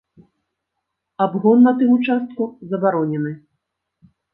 Абгон на тым участку забаронены.